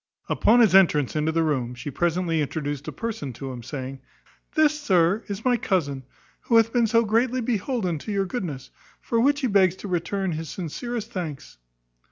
Upon his entrance into the room, she presently introduced a person to him, saying, "This, sir, is my cousin, who hath been so greatly beholden to your goodness, for which he begs to return you his sincerest thanks."